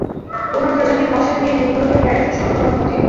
কোন প্রজাতির মশা দিয়ে ডেঙ্গু রোগের ভাইরাসের সংক্রমণ ঘটে?